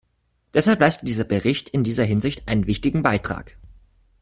Deshalb leistet dieser Bericht in dieser Hinsicht einen wichtigen Beitrag.